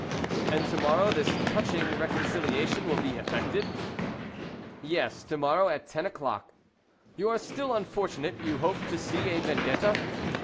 "And to morrow this touching reconciliation will be effected?" "Yes, to morrow, at ten o'clock. You are still unfortunate; you hoped to see a Vendetta?"